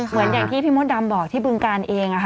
อย่างที่พี่มดดำบอกที่บึงการเอง